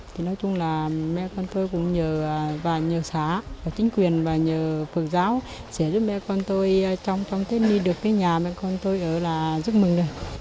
thì nói chung là mẹ con tôi cũng nhờ và nhờ xã và chính quyền và nhờ phường giáo sẽ giúp mẹ con tôi trong tết đi được cái nhà mẹ con tôi ở là rất mừng